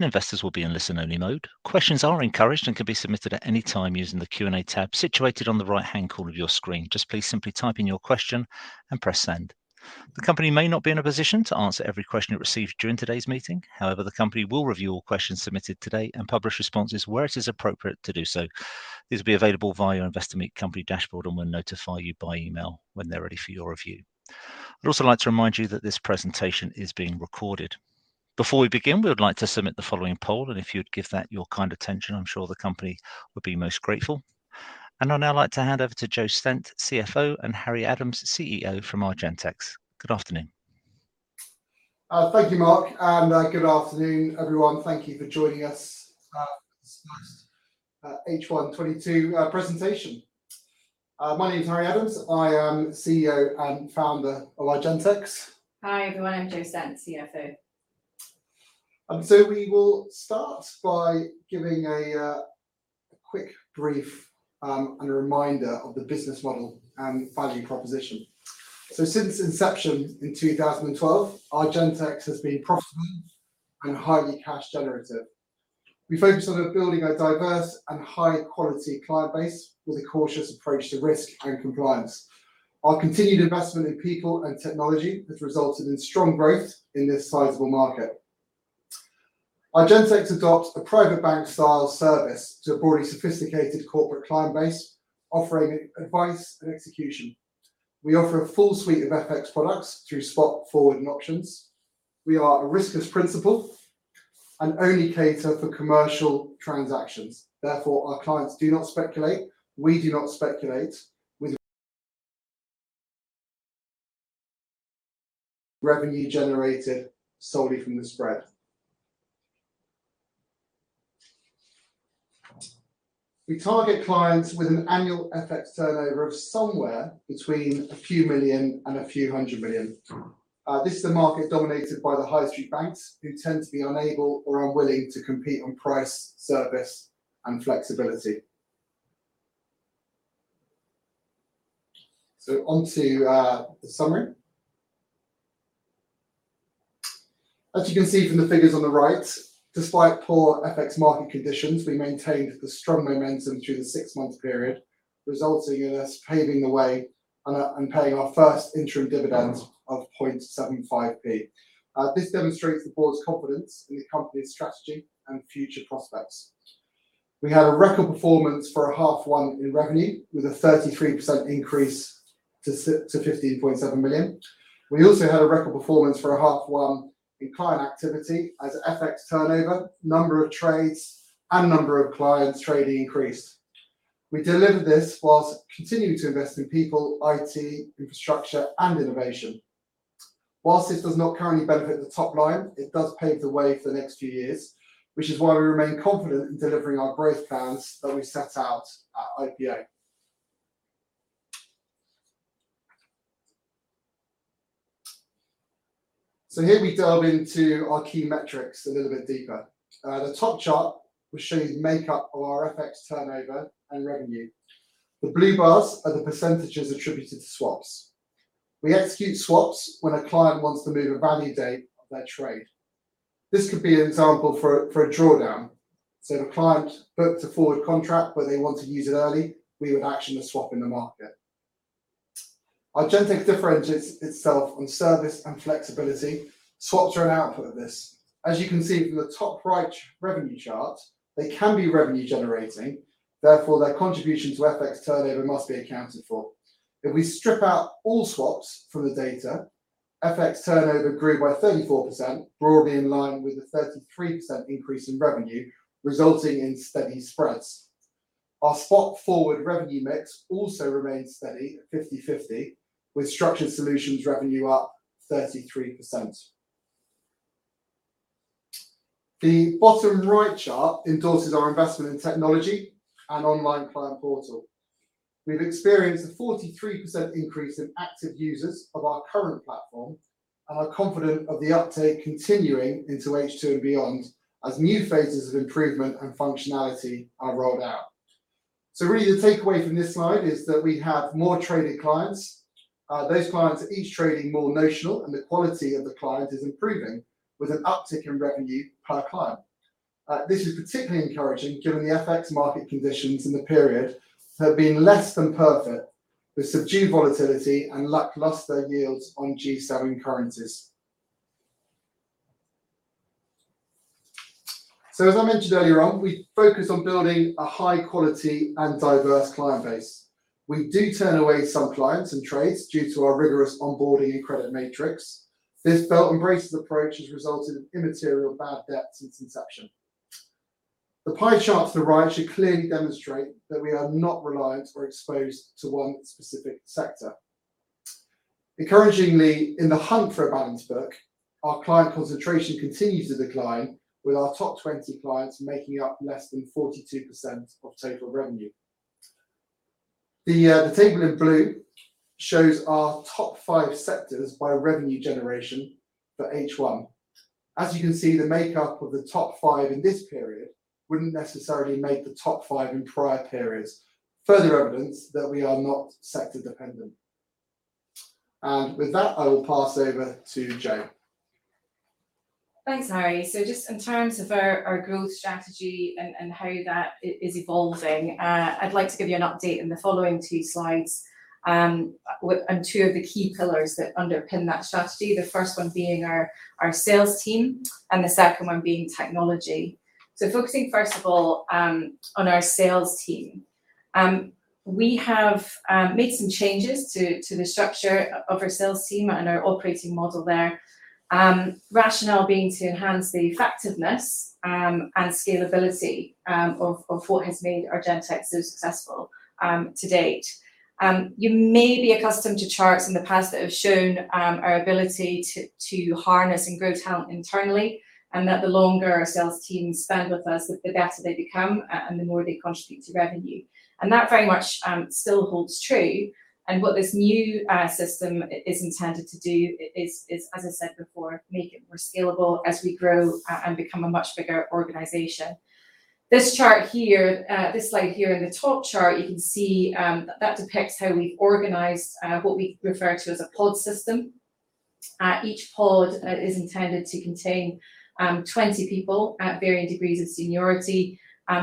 Investors will be in listen-only mode. Questions are encouraged and can be submitted at any time using the Q&A tab situated on the right-hand corner of your screen. Just please simply type in your question and press send. The company may not be in a position to answer every question it receives during today's meeting. The company will review all questions submitted today and publish responses where it is appropriate to do so. These will be available via Investor Meet Company dashboard and we'll notify you by email when they're ready for your review. I'd also like to remind you that this presentation is being recorded. Before we begin, we would like to submit the following poll, and if you'd give that your kind attention, I'm sure the company would be most grateful. I'd now like to hand over to Jo Stent, CFO, and Harry Adams, CEO from Argentex. Good afternoon. Thank you, Mark. Good afternoon, everyone. Thank you for joining us, for this, H1 2022, presentation. My name is Harry Adams. I am CEO and founder of Argentex. Hi, everyone. I'm Jo Stent, CFO. We will start by giving a quick brief and a reminder of the business model and value proposition. Since inception in 2012, Argentex has been profitable and highly cash generative. We focused on building a diverse and high quality client base with a cautious approach to risk and compliance. Our continued investment in people and technology has resulted in strong growth in this sizable market. Argentex adopts a private bank style service to a broadly sophisticated corporate client base, offering advice and execution. We offer a full suite of FX products through spot, forward, and options. We are a risk as principal, and only cater for commercial transactions. Therefore, our clients do not speculate, we do not speculate with revenue generated solely from the spread. We target clients with an annual FX turnover of somewhere between a few million and a few hundred million. This is a market dominated by the high street banks who tend to be unable or unwilling to compete on price, service, and flexibility. Onto the summary. As you can see from the figures on the right, despite poor FX market conditions, we maintained the strong momentum through the six-month period, resulting in us paving the way and paying our first interim dividend of 0.75p. This demonstrates the board's confidence in the company's strategy and future prospects. We had a record performance for a H1 in revenue with a 33% increase to 15.7 million. We also had a record performance for H1 in client activity as FX turnover, number of trades, and number of clients trading increased. We delivered this while continuing to invest in people, IT, infrastructure, and innovation. While this does not currently benefit the top line, it does pave the way for the next few years, which is why we remain confident in delivering our growth plans that we set out at IPO. Here we delve into our key metrics a little bit deeper. The top chart will show you the makeup of our FX turnover and revenue. The blue bars are the percentages attributed to swaps. We execute swaps when a client wants to move a value date of their trade. This could be an example for a drawdown. The client booked a forward contract, but they want to use it early, we would action a swap in the market. Argentex differentiates itself on service and flexibility. Swaps are an output of this. As you can see from the top right revenue chart, they can be revenue generating, therefore their contribution to FX turnover must be accounted for. If we strip out all swaps from the data, FX turnover grew by 34%, broadly in line with the 33% increase in revenue, resulting in steady spreads. Our spot forward revenue mix also remained steady at 50/50, with structured solutions revenue up 33%. The bottom right chart endorses our investment in technology and online client portal. We've experienced a 43% increase in active users of our current platform, and are confident of the uptake continuing into H2 and beyond as new phases of improvement and functionality are rolled out. Really the takeaway from this slide is that we have more trading clients. Those clients are each trading more notional, and the quality of the client is improving with an uptick in revenue per client. This is particularly encouraging given the FX market conditions in the period have been less than perfect, with subdued volatility and lackluster yields on G7 currencies. As I mentioned earlier on, we focus on building a high quality and diverse client base. We do turn away some clients and trades due to our rigorous onboarding and credit matrix. This belt and braces approach has resulted in immaterial bad debt since inception. The pie chart to the right should clearly demonstrate that we are not reliant or exposed to one specific sector. Encouragingly, in the hunt for a balanced book, our client concentration continues to decline, with our top 20 clients making up less than 42% of total revenue. The table in blue shows our top five sectors by revenue generation for H1. As you can see, the makeup of the top five in this period wouldn't necessarily make the top five in prior periods. Further evidence that we are not sector dependent. With that, I will pass over to Jo. Thanks, Harry. Just in terms of our growth strategy and how that is evolving, I'd like to give you an update in the following two slides, on two of the key pillars that underpin that strategy, the first one being our sales team and the second one being technology. Focusing first of all, on our sales team. We have made some changes to the structure of our sales team and our operating model there. Rationale being to enhance the effectiveness and scalability of what has made Argentex so successful to date. You may be accustomed to charts in the past that have shown our ability to harness and grow talent internally, and that the longer our sales team spend with us, the better they become and the more they contribute to revenue. That very much still holds true, and what this new system is intended to do is, as I said before, make it more scalable as we grow and become a much bigger organization. This chart here, this slide here in the top chart you can see that depicts how we've organized what we refer to as a pod model. Each pod is intended to contain 20 people at varying degrees of seniority,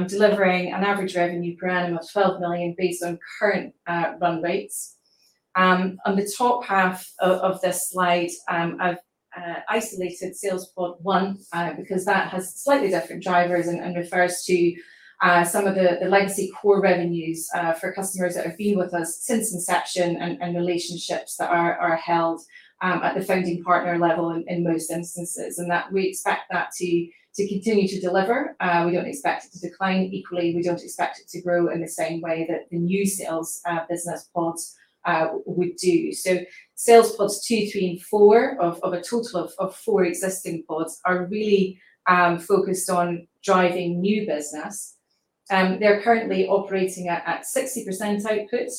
delivering an average revenue per annum of 12 million based on current run rates. On the top half of this slide, I've isolated sales pod one because that has slightly different drivers and refers to some of the legacy core revenues for customers that have been with us since inception and relationships that are held at the founding partner level in most instances. We expect that to continue to deliver. We don't expect it to decline. Equally, we don't expect it to grow in the same way that the new sales business pods would do. Sales pods two, three, and four of a total of four existing pods are really focused on driving new business. They're currently operating at 60% output,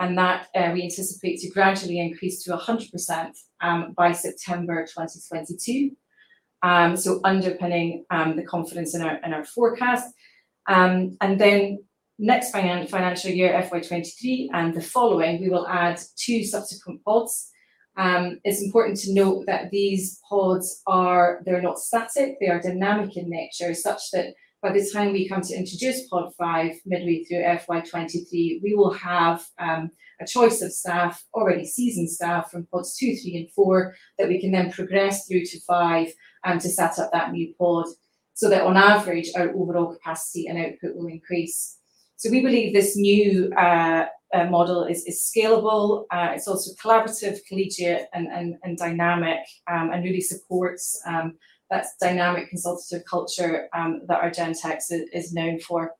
and that we anticipate to gradually increase to 100% by September 2022 so underpinning the confidence in our forecast. Next financial year, FY 2023 and the following, we will add two subsequent pods. It's important to note that these pods they're not static, they are dynamic in nature such that by the time we come to introduce pod five midway through FY 2023, we will have a choice of staff, already seasoned staff from pods two, three and four that we can then progress through to five to set up that new pod, so that on average our overall capacity and output will increase. We believe this new model is scalable, it's also collaborative, collegiate and dynamic and really supports that dynamic consultative culture that Argentex is known for.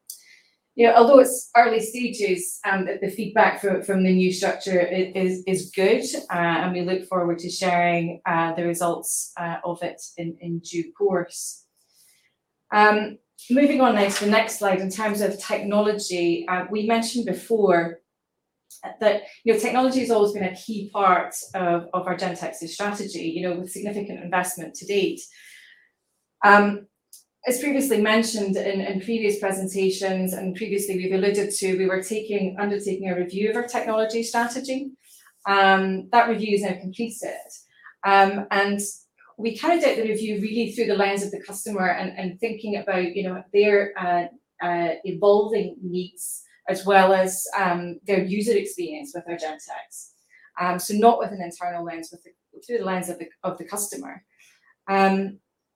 You know, although it's early stages, the feedback from the new structure is, is good, and we look forward to sharing the results of it in due course. Moving on now to the next slide in terms of technology, we mentioned before that, you know, technology has always been a key part of Argentex's strategy, you know, with significant investment to date. As previously mentioned in previous presentations and previously we've alluded to, we were undertaking a review of our technology strategy. That review is now completed. We carried out the review really through the lens of the customer and thinking about, you know, their evolving needs as well as their user experience with Argentex. Not with an internal lens, through the lens of the customer.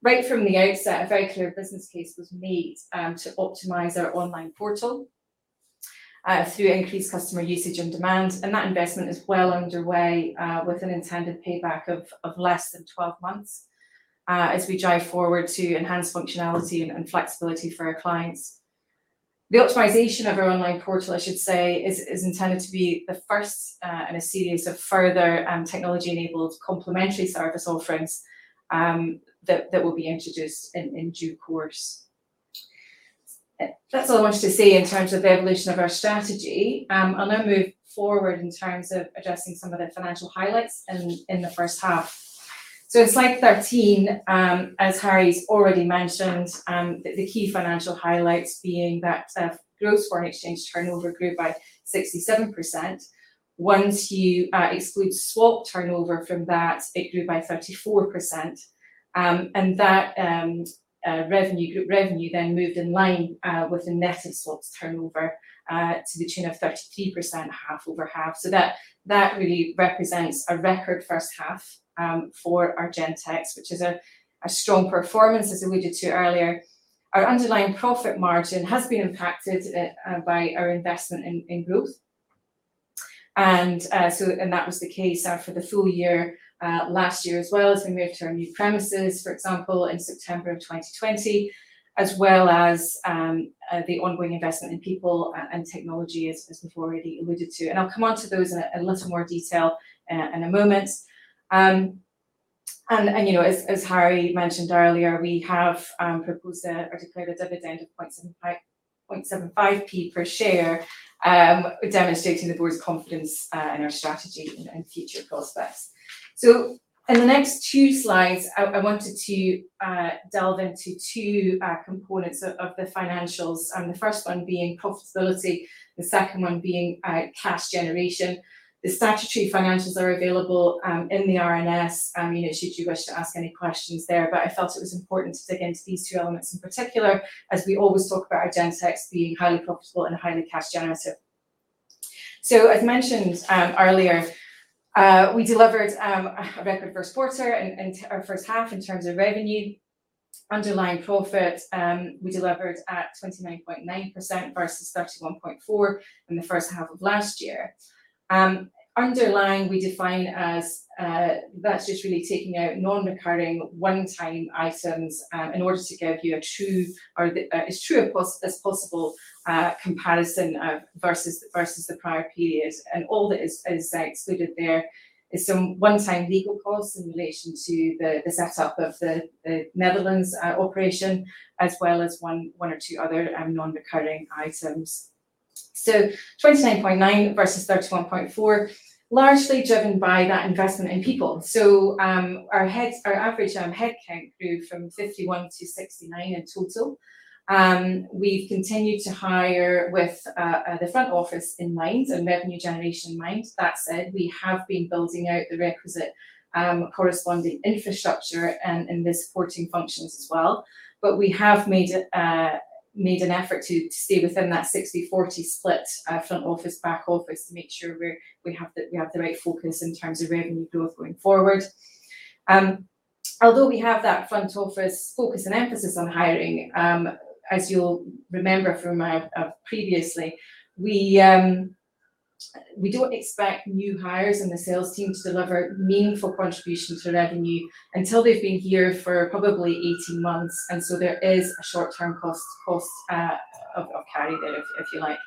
Right from the outset, a very clear business case was made to optimize our online portal through increased customer usage and demand, and that investment is well underway with an intended payback of less than 12 months as we drive forward to enhanced functionality and flexibility for our clients. The optimization of our online portal, I should say, is intended to be the first in a series of further technology-enabled complementary service offerings that will be introduced in due course. That's all I wanted to say in terms of the evolution of our strategy. I'll now move forward in terms of addressing some of the financial highlights in the H1. In slide 13, as Harry's already mentioned, the key financial highlights being that gross foreign exchange turnover grew by 67%. Once you exclude swap turnover from that, it grew by 34%. That group revenue then moved in line with the net of swaps turnover to the tune of 33% half over half. That really represents a record H1 for Argentex, which is a strong performance, as alluded to earlier. Our underlying profit margin has been impacted by our investment in growth and was the case for the full year last year as well as we moved to our new premises, for example, in September of 2020, as well as the ongoing investment in people and technology as before already alluded to. I'll come onto those in a little more detail in a moment. You know, as Harry mentioned earlier, we have proposed or declared a dividend of 0.75p per share, demonstrating the board's confidence in our strategy and future prospects. In the next two slides, I wanted to delve into two components of the financials, the first one being profitability, the second one being cash generation. The statutory financials are available in the RNS, you know, should you wish to ask any questions there. I felt it was important to dig into these two elements in particular, as we always talk about Argentex being highly profitable and highly cash generative. As mentioned earlier, we delivered a record Q1 and our H1 in terms of revenue. Underlying profit, we delivered at 29.9% versus 31.4% in the H1 of last year. Underlying we define as that's just really taking out non-recurring one-time items in order to give you a true or as true as possible comparison versus the prior period. All that is excluded there is some one-time legal costs in relation to the setup of the Netherlands operation, as well as one or two other non-recurring items. 29.9 versus 31.4, largely driven by that investment in people. Our average head count grew from 51 to 69 in total. We've continued to hire with the front office in mind and revenue generation in mind. That said, we have been building out the requisite corresponding infrastructure and in the supporting functions as well. We have made an effort to stay within that 60/40 split, front office, back office to make sure we have the right focus in terms of revenue growth going forward. Although we have that front office focus and emphasis on hiring, as you'll remember from our previously, we don't expect new hires in the sales team to deliver meaningful contributions to revenue until they've been here for probably 18 months. There is a short-term cost of carry there if you like.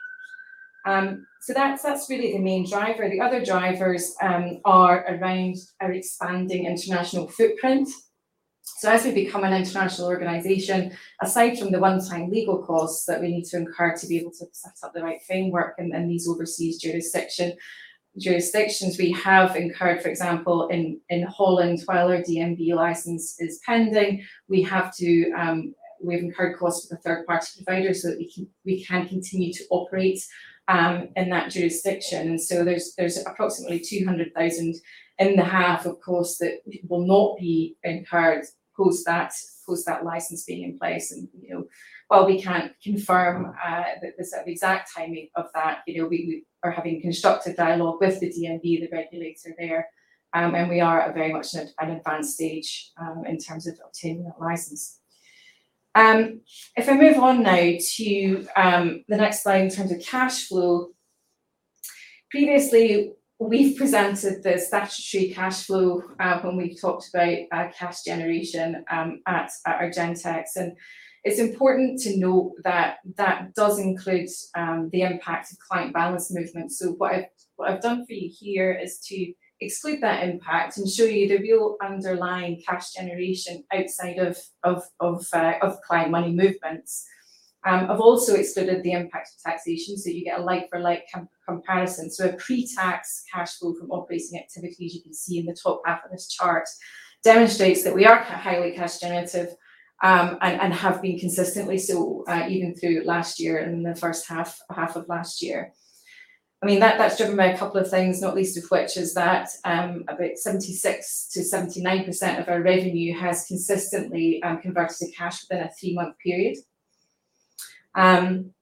That's really the main driver. The other drivers are around our expanding international footprint. As we become an international organization, aside from the one-time legal costs that we need to incur to be able to set up the right framework in these overseas jurisdictions, we have incurred, for example, in Holland, while our DNB license is pending, we have to, we've incurred costs with a third-party provider so that we can continue to operate in that jurisdiction. There's approximately 200,000 in the half of costs that will not be incurred post that license being in place. You know, while we can't confirm the sort of exact timing of that, you know, we are having constructive dialogue with the DNB, the regulator there. We are at a very much an advanced stage in terms of obtaining that license. If I move on now to the next slide in terms of cash flow. Previously, we've presented the statutory cash flow, when we've talked about cash generation, at Argentex. It's important to note that that does include the impact of client balance movements. What I've done for you here is to exclude that impact and show you the real underlying cash generation outside of client money movements. I've also excluded the impact of taxation, so you get a like for like comparison. A pre-tax cash flow from operating activities, you can see in the top half of this chart, demonstrates that we are highly cash generative, and have been consistently so, even through last year and the H1 of last year. I mean, that's driven by a couple of things, not least of which is that, about 76%-79% of our revenue has consistently converted to cash within a three month period. Then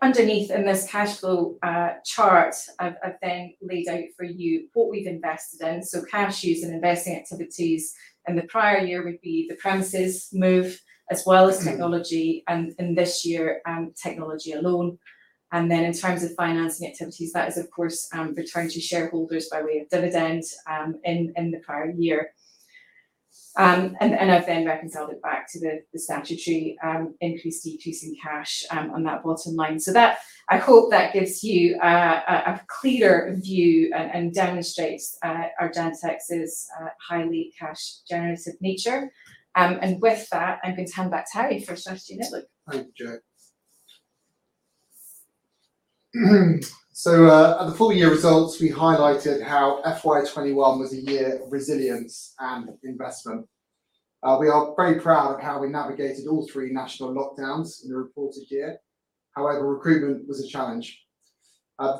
underneath in this cash flow chart, I've then laid out for you what we've invested in so cash used in investing activities in the prior year would be the premises move as well as technology, and in this year, technology alone. Then in terms of financing activities, that is, of course, return to shareholders by way of dividends in the prior year and I've then reconciled it back to the statutory increase, decrease in cash on that bottom line. I hope that gives you a clearer view and demonstrates Argentex's highly cash generative nature. With that, I'm going to hand back to Harry for his statutory outlook. Thank you, Jo. At the full year results, we highlighted how FY 2021 was a year of resilience and investment. We are very proud of how we navigated all three national lockdowns in the reported year, however recruitment was a challenge.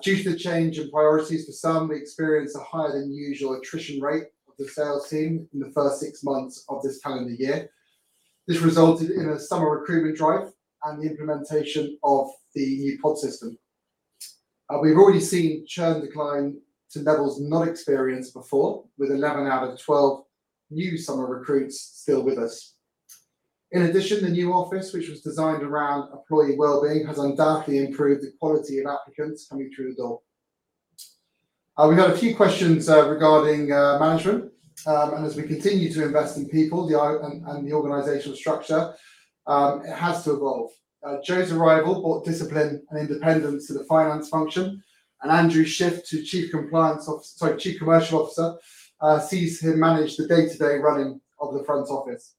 Due to the change in priorities for some, we experienced a higher than usual attrition rate of the sales team in the first six months of this calendar year. This resulted in a summer recruitment drive and the implementation of the new pod model. We've already seen churn decline to levels not experienced before, with 11 out of the 12 new summer recruits still with us. The new office, which was designed around employee wellbeing, has undoubtedly improved the quality of applicants coming through the door. We had a few questions regarding management. As we continue to invest in people, the organizational structure, it has to evolve. Jo's arrival brought discipline and independence to the finance function and Andrew's shift to Chief Commercial Officer sees him manage the day-to-day running of the front office.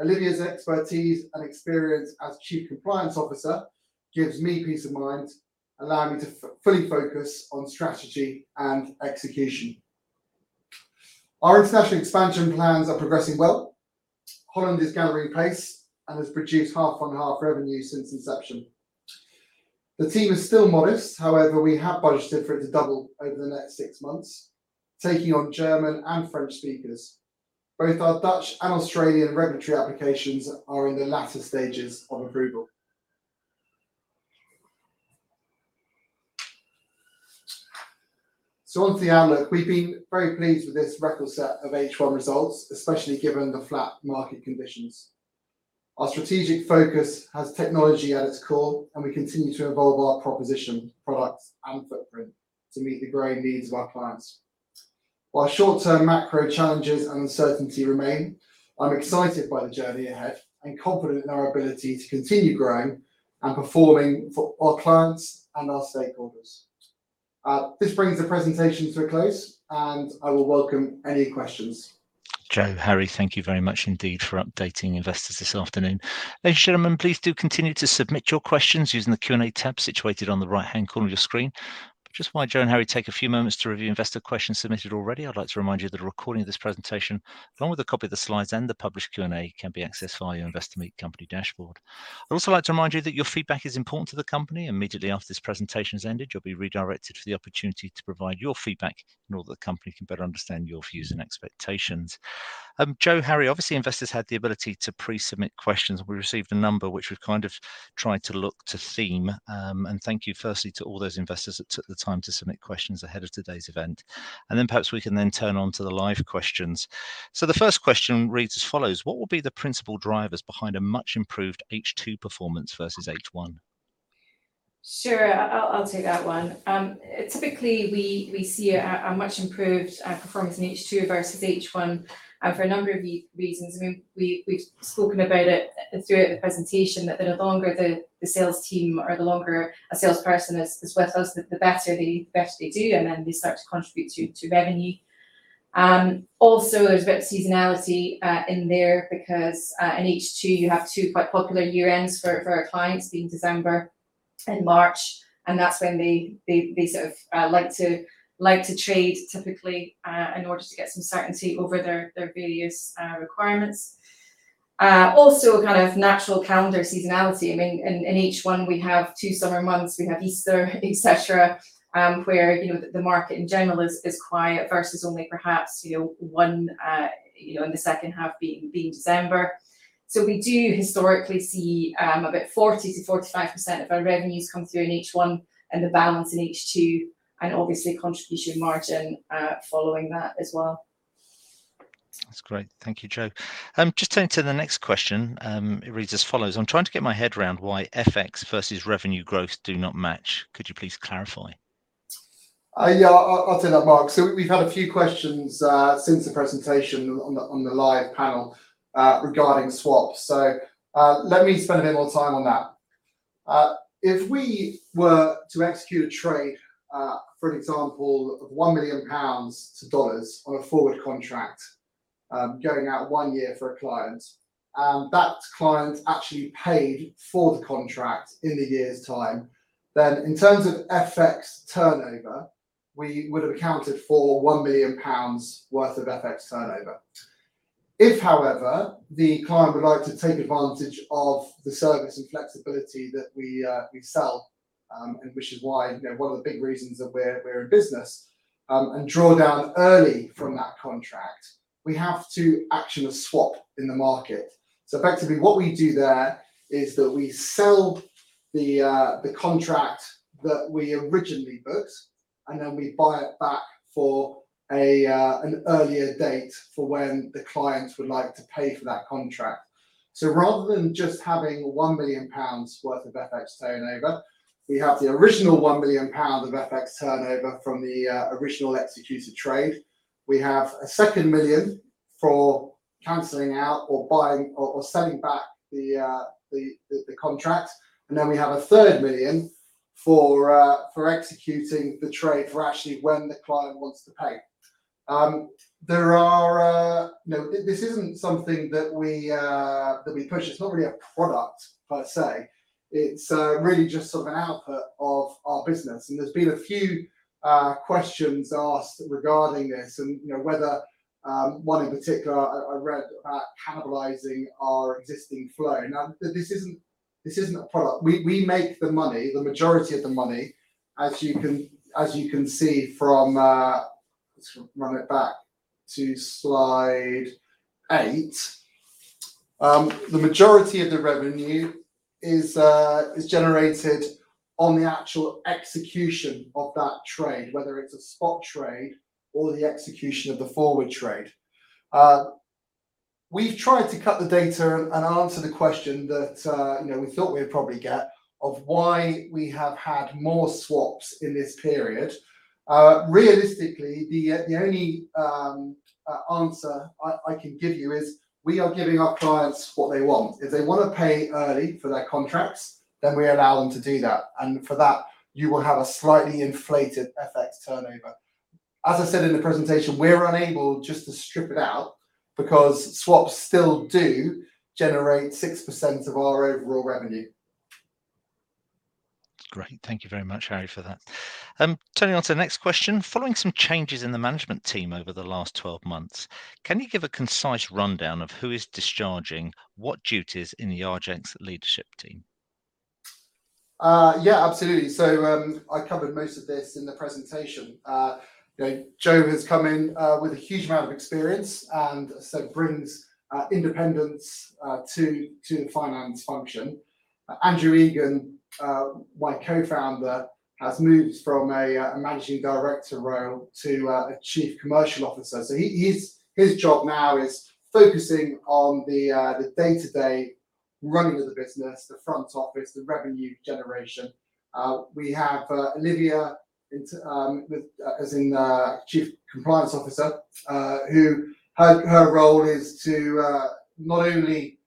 Olivia's expertise and experience as Chief Compliance Officer gives me peace of mind, allowing me to fully focus on strategy and execution. Our international expansion plans are progressing well. Holland is gathering pace and has produced half on half revenue since inception. The team is still modest, however, we have budgeted for it to double over the next six months, taking on German and French speakers. Both our Dutch and Australian regulatory applications are in the latter stages of approval. Onto the outlook. We've been very pleased with this record set of H1 results, especially given the flat market conditions. Our strategic focus has technology at its core, and we continue to evolve our proposition, products and footprint to meet the growing needs of our clients. While short-term macro challenges and uncertainty remain, I'm excited by the journey ahead and confident in our ability to continue growing and performing for our clients and our stakeholders. This brings the presentation to a close, and I will welcome any questions. Jo Stent, Harry Adams, thank you very much indeed for updating investors this afternoon. Ladies and gentlemen, please do continue to submit your questions using the Q&A tab situated on the right-hand corner of your screen. Just while Jo Stent and Harry Adams take a few moments to review investor questions submitted already, I'd like to remind you that a recording of this presentation, along with a copy of the slides and the published Q&A can be accessed via your Investor Meet Company dashboard. I'd also like to remind you that your feedback is important to the company. Immediately after this presentation has ended, you'll be redirected for the opportunity to provide your feedback in order that the company can better understand your views and expectations. Jo Stent, Harry Adams, obviously investors had the ability to pre-submit questions. We received a number which we've kind of tried to theme, and thank you firstly to all those investors that took the time to submit questions ahead of today's event. Then perhaps we can then turn on to the live questions. The first question reads as follows: "What will be the principal drivers behind a much improved H2 performance versus H1? Sure. I'll take that one. Typically we see a much improved performance in H2 versus H1 for a number of reasons. I mean, we've spoken about it throughout the presentation that the longer the sales team or the longer a salesperson is with us, the better they do, and then they start to contribute to revenue. There's a bit of seasonality in there because in H2 you have two quite popular year ends for our clients, being December and March, and that's when they sort of like to trade typically in order to get some certainty over their various requirements. Also kind of natural calendar seasonality. I mean, in H1 we have two summer months, we have Easter, et cetera, where, you know, the market in general is quiet versus only perhaps, you know, one, in the H2 being December. We do historically see, about 40%-45% of our revenues come through in H1 and the balance in H2, and obviously contribution margin following that as well. That's great. Thank you, Jo. Just turning to the next question. It reads as follows: "I'm trying to get my head around why FX versus revenue growth do not match. Could you please clarify? Yeah, I'll take that, Mark. We've had a few questions since the presentation on the live panel regarding swaps. Let me spend a bit more time on that. If we were to execute a trade for an example of 1 million pounds to USD on a forward contract, going out one year for a client, and that client actually paid for the contract in a year's time, then in terms of FX turnover, we would have accounted for 1 million pounds worth of FX turnover. If, however, the client would like to take advantage of the service and flexibility that we sell, and which is why, you know, one of the big reasons that we're in business, and draw down early from that contract, we have to action a swap in the market. Effectively what we do there is that we sell the contract that we originally booked, and then we buy it back for an earlier date for when the client would like to pay for that contract. Rather than just having 1 million pounds worth of FX turnover, we have the original 1 million pound of FX turnover from the original executed trade. We have a second million for canceling out or buying or selling back the contract, and then we have a third million for executing the trade for actually when the client wants to pay. You know, this isn't something that we push. It's not really a product per se. It's really just sort of an output of our business, there's been a few questions asked regarding this and, you know, whether one in particular I read about cannibalizing our existing flow. This isn't, this isn't a product. We make the money, the majority of the money, as you can see from, let's run it back to slide eight. The majority of the revenue is generated on the actual execution of that trade, whether it's a spot trade or the execution of the forward trade. We've tried to cut the data and answer the question that, you know, we thought we'd probably get of why we have had more swaps in this period. Realistically, the only, answer I can give you is we are giving our clients what they want. If they wanna pay early for their contracts, then we allow them to do that, and for that you will have a slightly inflated FX turnover. As I said in the presentation, we're unable just to strip it out because swaps still do generate 6% of our overall revenue. Great. Thank you very much, Harry, for that. Turning on to the next question. Following some changes in the management team over the last 12 months, can you give a concise rundown of who is discharging what duties in the Argentex leadership team? Yeah, absolutely. I covered most of this in the presentation. You know, Jo has come in with a huge amount of experience and brings independence to the finance function. Andrew Egan, my co-founder, has moved from a managing director role to a Chief Commercial Officer. His job now is focusing on the day-to-day running of the business, the front office, the revenue generation. We have Olivia as in Chief Compliance Officer, who her role is to not only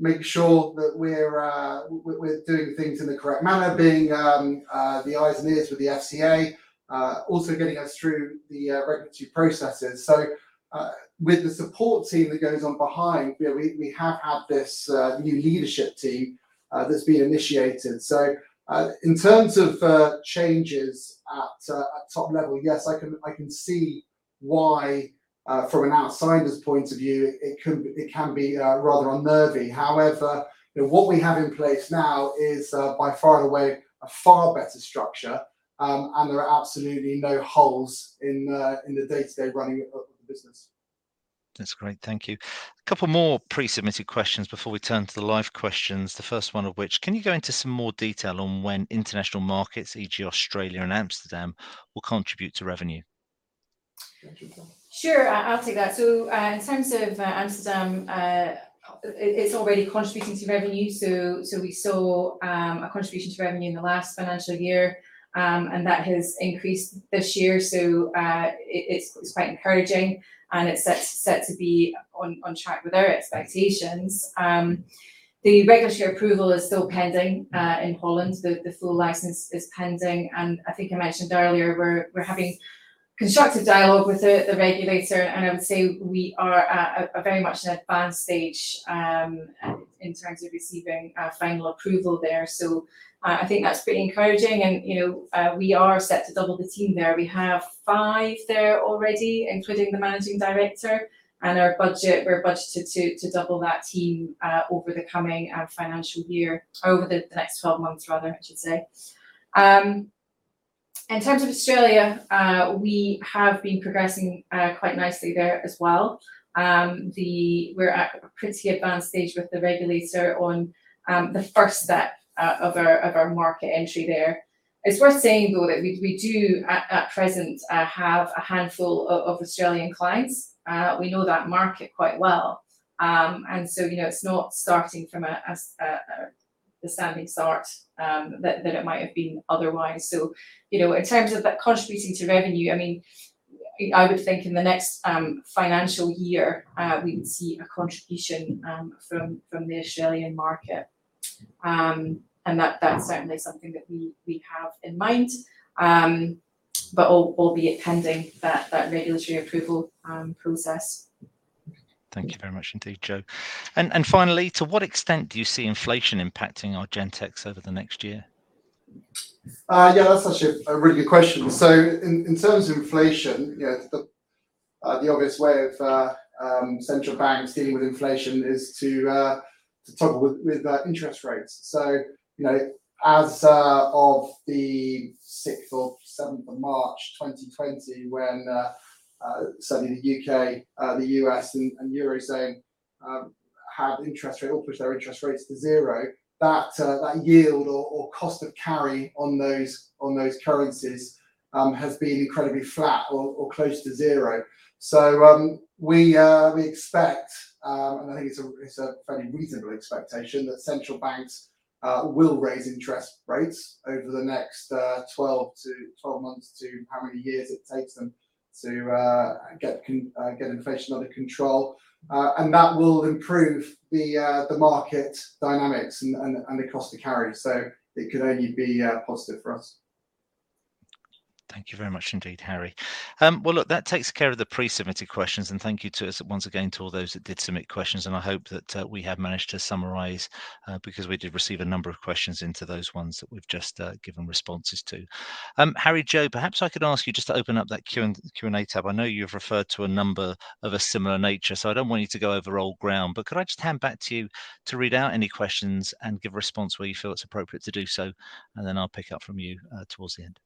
make sure that we're doing things in the correct manner, being the eyes and ears with the FCA, also getting us through the regulatory processes. With the support team that goes on behind, you know, we have had this new leadership team that's been initiated. In terms of changes at top level, yes, I can see why from an outsider's point of view it can be rather unnerving. However, you know, what we have in place now is by far and away a far better structure, and there are absolutely no holes in the day-to-day running of the business. That's great. Thank you. Couple more pre-submitted questions before we turn to the live questions. The first one of which, can you go into some more detail on when international markets, e.g. Australia and Amsterdam, will contribute to revenue? Jo, do you want? Sure, I'll take that. In terms of Amsterdam, it's already contributing to revenue. We saw a contribution to revenue in the last financial year, and that has increased this year. It's quite encouraging and it's set to be on track with our expectations. The regulatory approval is still pending in Holland. The full license is pending, and I think I mentioned earlier we're having constructive dialogue with the regulator, and I would say we are at a very much an advanced stage in terms of receiving final approval there. I think that's pretty encouraging and, you know, we are set to double the team there. We have five there already, including the managing director, and our budget, we're budgeted to double that team over the coming financial year. Over the next 12 months rather, I should say. In terms of Australia, we have been progressing quite nicely there as well. We're at a pretty advanced stage with the regulator on the first step of our market entry there. It's worth saying though that we do at present have a handful of Australian clients. We know that market quite well. You know, it's not starting from a standing start that it might have been otherwise. You know, in terms of that contributing to revenue, I mean, I would think in the next financial year, we could see a contribution from the Australian market. That's certainly something that we have in mind. Albeit pending that regulatory approval process. Thank you very much indeed, Jo. Finally, to what extent do you see inflation impacting Argentex over the next year? Yeah, that's actually a really good question. In terms of inflation, you know, the obvious way of central banks dealing with inflation is to toggle with interest rates. You know, as of the sixth or 7th of March 2020 when certainly the U.K., the U.S. and Eurozone had interest rate or pushed their interest rates to zero, that yield or cost of carry on those currencies has been incredibly flat or close to zero. We expect, and I think it's a fairly reasonable expectation that central banks will raise interest rates over the next 12-12 months to however many years it takes them to get inflation under control. That will improve the market dynamics and the cost to carry. It could only be positive for us. Thank you very much indeed, Harry. Well, look, that takes care of the pre-submitted questions, and thank you to us once again to all those that did submit questions, and I hope that we have managed to summarize because we did receive a number of questions into those ones that we've just given responses to. Harry, Jo, perhaps I could ask you just to open up that Q&A tab. I know you've referred to a number of a similar nature, so I don't want you to go over old ground, but could I just hand back to you to read out any questions and give a response where you feel it's appropriate to do so, and then I'll pick up from you towards the end?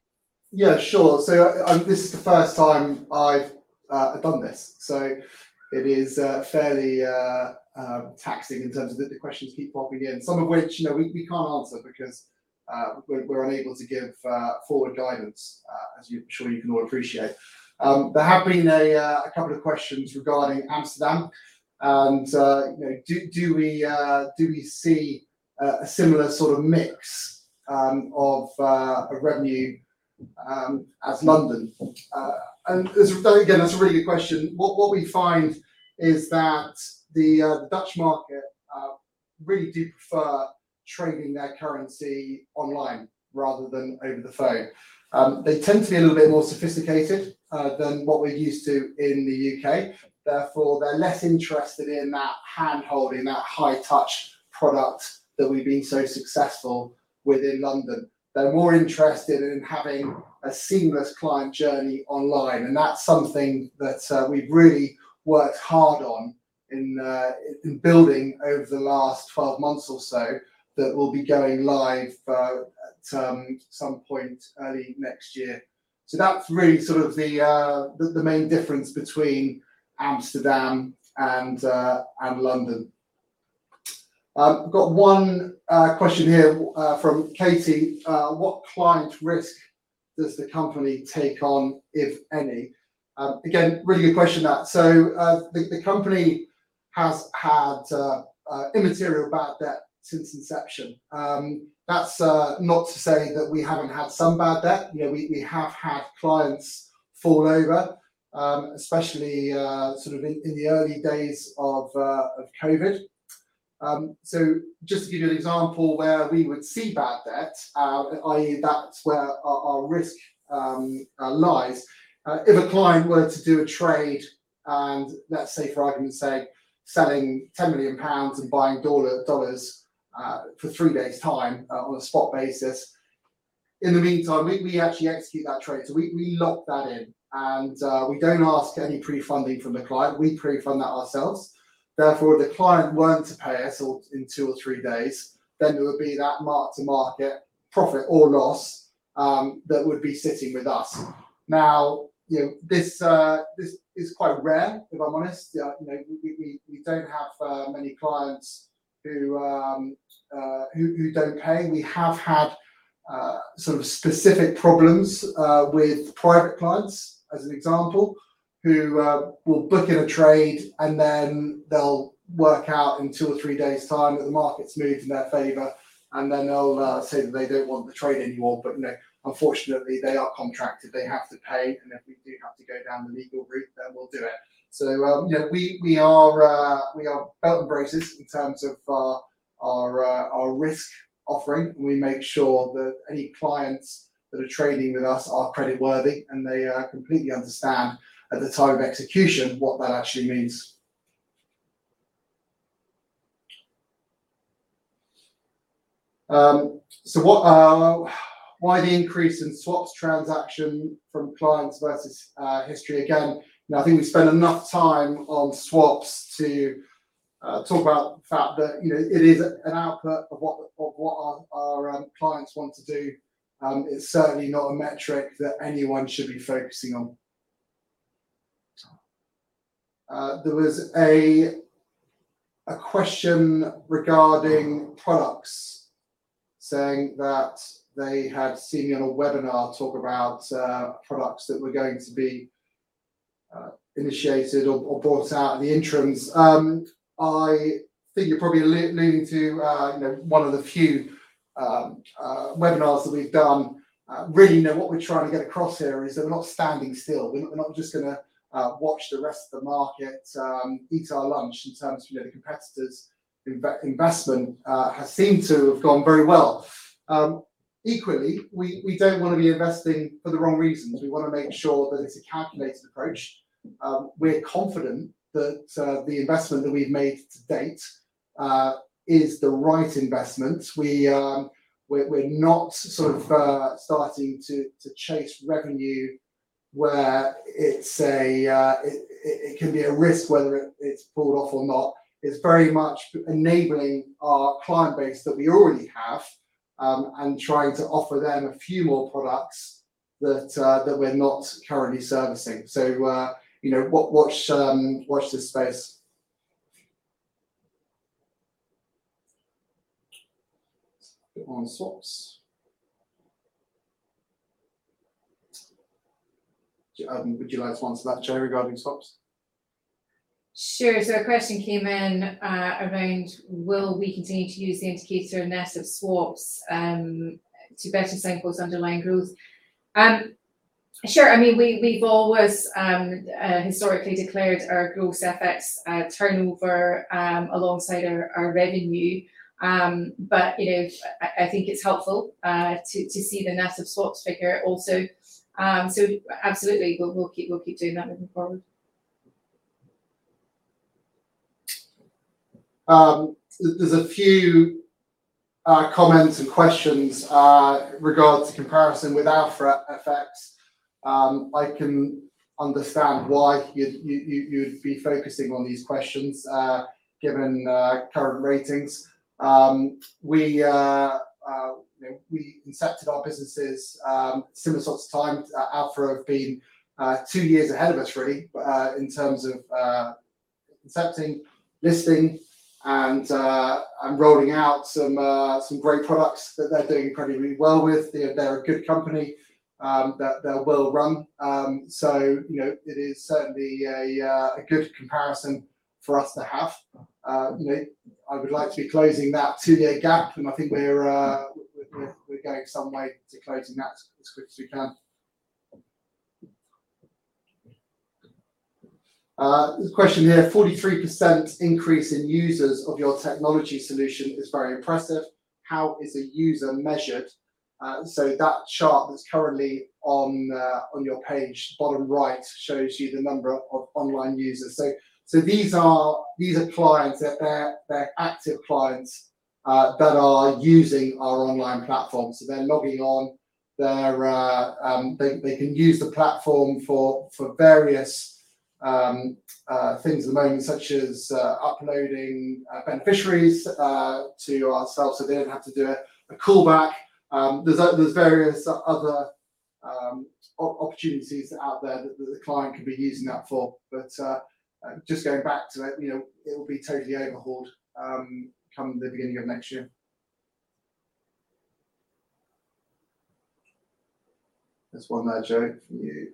Sure. This is the first time I've done this, so it is fairly taxing in terms of the questions keep popping in. Some of which, you know, we can't answer because we're unable to give forward guidance, I'm sure you can all appreciate. There have been a couple of questions regarding Amsterdam and, you know, do we see a similar sort of mix of revenue as London? Again, that's a really good question. What we find is that the Dutch market really do prefer trading their currency online rather than over the phone. They tend to be a little bit more sophisticated than what we're used to in the U.K., therefore they're less interested in that hand-holding, that high touch product that we've been so successful with in London. They're more interested in having a seamless client journey online, that's something that we've really worked hard on in building over the last 12 months or so that will be going live at some point early next year. That's really sort of the main difference between Amsterdam and London. Got one question here from Katie. What client risk does the company take on, if any? Again, really good question, that. The company has had immaterial bad debt since inception. That's not to say that we haven't had some bad debt. You know, we have had clients fall over, especially in the early days of COVID. Just to give you an example where we would see bad debt, i.e. that's where our risk lies. If a client were to do a trade and let's say for argument's sake, selling 10 million pounds and buying USD, for three days' time, on a spot basis. In the meantime, we actually execute that trade, so we lock that in and we don't ask any pre-funding from the client. We pre-fund that ourselves. If the client weren't to pay us or in two or three days, then there would be that mark-to-market profit or loss, that would be sitting with us. Now, you know, this is quite rare, if I'm honest. You know, we, we don't have many clients who don't pay. We have had sort of specific problems with private clients as an example, who will book in a trade and then they'll work out in two or three days' time that the market's moved in their favor, and then they'll say that they don't want the trade anymore. No, unfortunately, they are contracted, they have to pay, and if we do have to go down the legal route, then we'll do it. You know, we are, we are belt and braces in terms of our, our risk offering. We make sure that any clients that are trading with us are creditworthy and they completely understand at the time of execution what that actually means. Why the increase in swaps transaction from clients versus history? Again, you know, I think we spent enough time on swaps to talk about the fact that, you know, it is an output of what our clients want to do. It's certainly not a metric that anyone should be focusing on. There was a question regarding products saying that they had seen in a webinar talk about products that were going to be initiated or brought out in the interim. I think you're probably leaning to, you know, one of the few webinars that we've done. Really, you know, what we're trying to get across here is that we're not standing still. We're not just gonna watch the rest of the market eat our lunch in terms of, you know, the competitors' investment has seemed to have gone very well. Equally, we don't wanna be investing for the wrong reasons. We wanna make sure that it's a calculated approach. We're confident that the investment that we've made to date is the right investment. We're not sort of starting to chase revenue where it can be a risk whether it's pulled off or not. It's very much enabling our client base that we already have, and trying to offer them a few more products that we're not currently servicing. You know, watch this space. Let's click on swaps. Would you like to answer that, Jo, regarding swaps? Sure. A question came in around will we continue to use the indicator net of swaps to better sample underlying growth? Sure. I mean, we've always historically declared our gross FX turnover alongside our revenue. You know, I think it's helpful to see the net of swaps figure also. Absolutely, we'll keep doing that moving forward. There's a few comments and questions regards to comparison with Alpha FX. I can understand why you'd be focusing on these questions given current ratings. We, you know, we incepted our businesses similar sorts of times. Alpha FX have been two years ahead of us really in terms of incepting, listing and rolling out some great products that they're doing incredibly well with. They're a good company, they're well run. You know, it is certainly a good comparison for us to have. You know, I would like to be closing that two-year gap, and I think we're going some way to closing that as quick as we can. There's a question here. A question here. 43% increase in users of your technology solution is very impressive. How is a user measured? That chart that's currently on your page, bottom right, shows you the number of online users. These are clients that they're active clients that are using our online platform. They're logging on. They can use the platform for various things at the moment, such as uploading beneficiaries to ourselves, so they don't have to do a callback. There's various other opportunities out there that the client could be using that for. Just going back to it, you know, it'll be totally overhauled come the beginning of next year. There's one there, Jo, for you.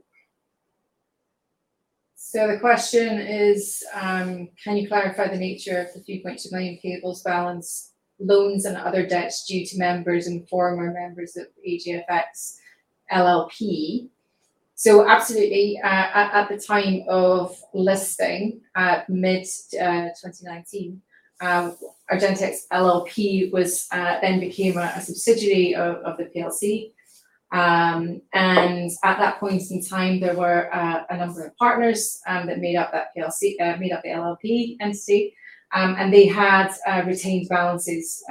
The question is, can you clarify the nature of the 3.2 million payables balance loans and other debts due to members and former members of AGFX LLP? Absolutely, at the time of listing at mid 2019, Argentex LLP was then became a subsidiary of the PLC. At that point in time, there were a number of partners that made up that PLC, made up the LLP entity and they had retained balances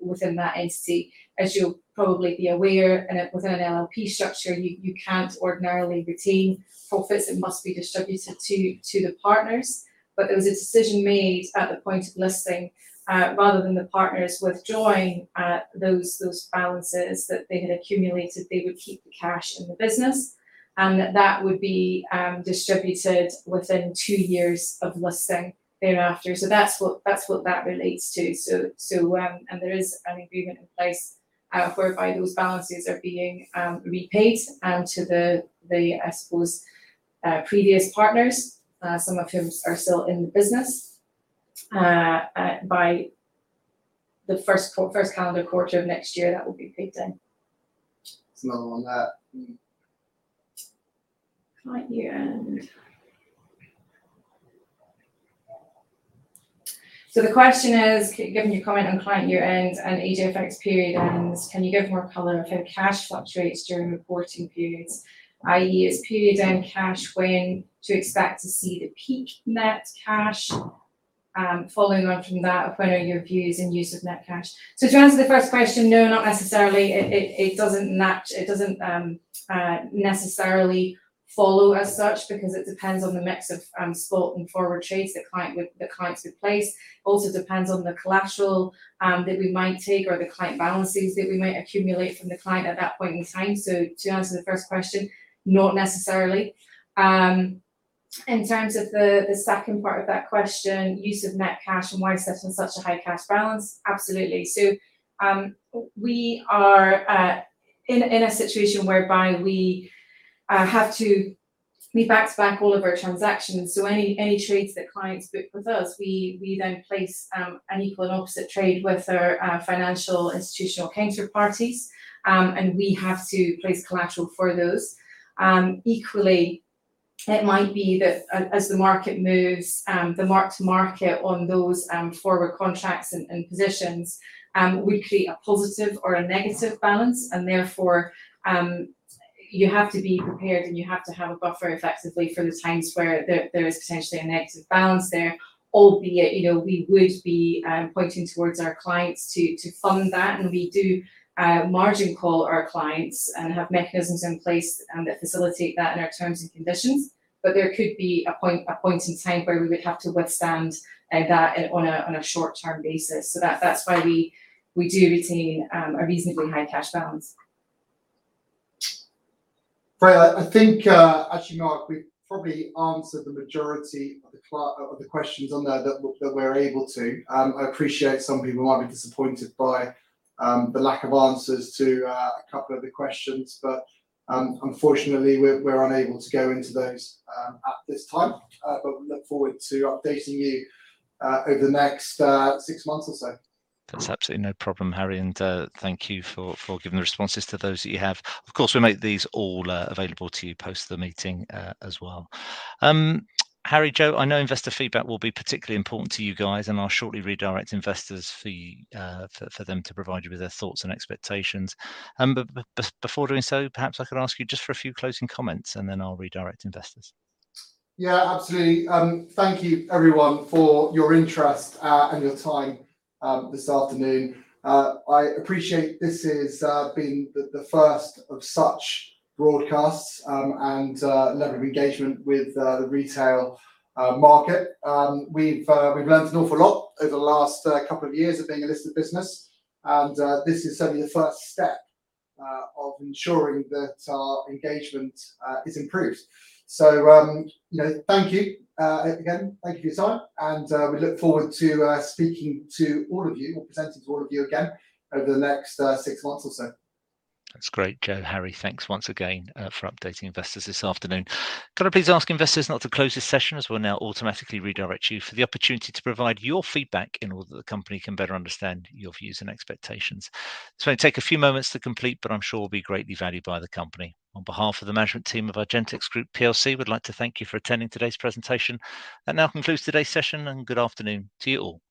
within that entity. As you'll probably be aware, within an LLP structure, you can't ordinarily retain profits. It must be distributed to the partners. There was a decision made at the point of listing, rather than the partners withdrawing those balances that they had accumulated, they would keep the cash in the business, and that would be distributed within two years of listing thereafter. That's what that relates to. There is an agreement in place whereby those balances are being repaid to the, I suppose, previous partners, some of whom are still in the business. By the first calendar quarter of next year, that will be paid then. There's another one there for you. Client year-end. The question is, given your comment on client year-ends and AGFX period ends, can you give more color of how cash fluctuates during reporting periods, i.e., is period-end cash when to expect to see the peak net cash? Following on from that, what are your views in use of net cash? To answer the first question, no, not necessarily. It doesn't match. It doesn't necessarily follow as such because it depends on the mix of spot and forward trades the clients place. Also depends on the collateral that we might take or the client balances that we might accumulate from the client at that point in time. To answer the first question, not necessarily. In terms of the second part of that question, use of net cash and why such and such a high cash balance. Absolutely. We are in a situation whereby we have to back-to-back all of our transactions. Any trades that clients book with us, we then place an equal and opposite trade with our financial institutional counterparties. We have to place collateral for those. Equally, it might be that as the market moves, the mark-to-market on those forward contracts and positions, we create a positive or a negative balance, and therefore, you have to be prepared, and you have to have a buffer effectively for the times where there is potentially a negative balance there. Albeit, you know, we would be, pointing towards our clients to fund that, and we do, margin call our clients and have mechanisms in place, that facilitate that in our terms and conditions. There could be a point in time where we would have to withstand, that on a short-term basis. That's why we do retain, a reasonably high cash balance. Right. I think, actually, Mark, we've probably answered the majority of the questions on there that we're able to. I appreciate some people might be disappointed by the lack of answers to a couple of the questions, but, unfortunately, we're unable to go into those at this time. Look forward to updating you over the next six months or so. That's absolutely no problem, Harry. Thank you for giving the responses to those that you have. Of course, we'll make these all available to you post the meeting as well. Harry, Jo, I know investor feedback will be particularly important to you guys. I'll shortly redirect investors for you for them to provide you with their thoughts and expectations. Before doing so, perhaps I could ask you just for a few closing comments. Then I'll redirect investors. Yeah, absolutely. Thank you everyone for your interest and your time this afternoon. I appreciate this is being the first of such broadcasts and level of engagement with the retail market. We've learned an awful lot over the last couple of years of being a listed business, and this is certainly the first step of ensuring that our engagement is improved. You know, thank you again, thank you for your time, and we look forward to speaking to all of you or presenting to all of you again over the next six months or so. That's great. Jo Stent, Harry Adams, thanks once again for updating investors this afternoon. Could I please ask investors now to close this session, as we'll now automatically redirect you for the opportunity to provide your feedback in order that the company can better understand your views and expectations. This may take a few moments to complete, but I'm sure will be greatly valued by the company. On behalf of the management team of Argentex Group PLC, we'd like to thank you for attending today's presentation. That now concludes today's session, and good afternoon to you all.